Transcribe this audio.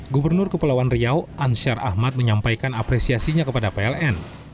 gubernur kepulauan riau ansyar ahmad menyampaikan apresiasinya kepada pln